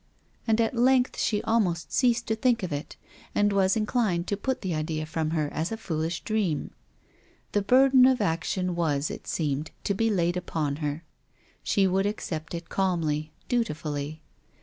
And at length she almost ceased to think of it, and was "WILLIAM FOSTER." 175 inclined to put the idea from her as a fooHsh dream. The burden of action was, it seemed, to be laid upon her. She would accept it calmly, dutifully.